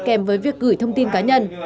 kèm với việc gửi thông tin cá nhân